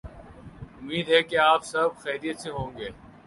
امید ہے کہ آپ سب خیریت سے ہوں گے۔